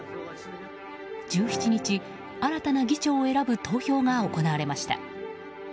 １７日、新たな議長を選ぶ投票が行われました。